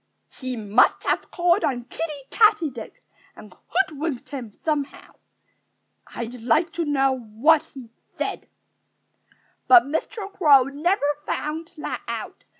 "He must have called on Kiddie Katydid and hoodwinked him somehow.... I'd like to know what he said." But Mr. Crow never found that out.